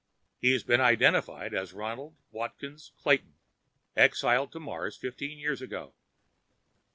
He has been identified as Ronald Watkins Clayton, exiled to Mars fifteen years ago.